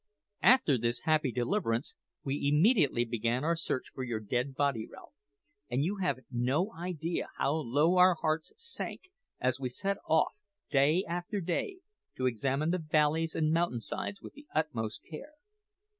"After this happy deliverance, we immediately began our search for your dead body, Ralph; and you have no idea how low our hearts sank as we set off; day after day, to examine the valleys and mountain sides with the utmost care.